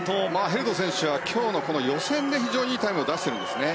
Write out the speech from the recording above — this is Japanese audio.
ヘルド選手は予選で非常にいいタイムを出しているんですね。